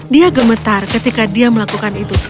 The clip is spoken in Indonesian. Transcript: dia gemetar ketika dia melakukan itu